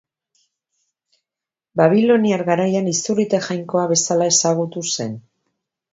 Babiloniar garaian izurrite jainkoa bezala ezagutu zen.